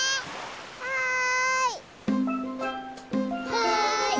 はい。